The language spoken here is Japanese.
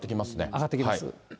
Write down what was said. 上がってきます。